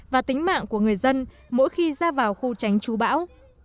và tính mạng của người dân mỗi khi ra vào khu tránh chú bão